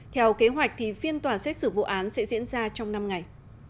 theo kế hoạch thì phiên tòa xét xử vụ án sẽ diễn ra trong năm ngày